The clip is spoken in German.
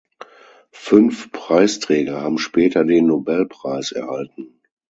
Fünf Preisträger haben später den Nobelpreis erhalten.